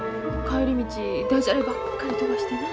帰り道ダジャレばっかり飛ばしてな。